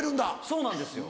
そうなんですよ。